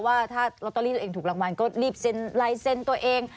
ว่าถ้าลอตเตอรี่ตัวเองถูกรางวัลก็รีบเซ็นลายเซ็นต์ตัวเอง